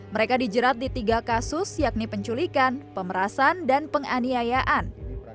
mereka dijerat di tiga kasus yakni penculikan pemerasan dan penganiayaan